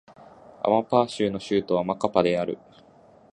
アマパー州の州都はマカパである